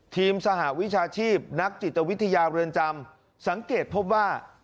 สหวิชาชีพนักจิตวิทยาเรือนจำสังเกตพบว่า